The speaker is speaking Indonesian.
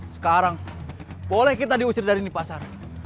sekarang boleh kita diusir dari di pasar